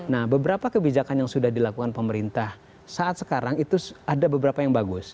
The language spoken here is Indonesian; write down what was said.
nah beberapa kebijakan yang sudah dilakukan pemerintah saat sekarang itu ada beberapa yang bagus